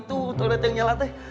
tuh toilet yang nyala teh